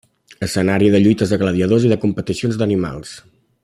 Escenari de lluites de gladiadors i de competicions d'animals.